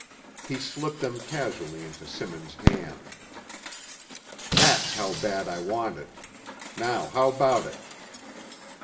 He slipped them casually into Simmons' hand. "That's how bad I want it. Now how about it?"